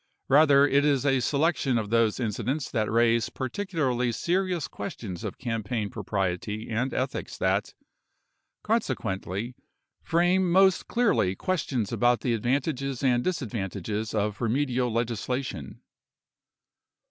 Rather, it is a selection of those incidents that raise particularly serious questions of campaign propriety and ethics that, consequently, frame most clearly questions about the advantages and disadvantages of remedial legislation.